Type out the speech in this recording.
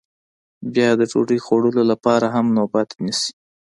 بیا د ډوډۍ خوړلو لپاره هم نوبت نیسي